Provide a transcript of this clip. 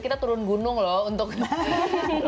kita turun gunung loh untuk ke lokasi ini